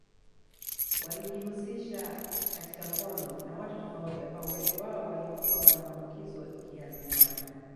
Walijihusisha katika ngono na watu tofauti ambao wengi wao walikuwa wana maambukizo ya zinaa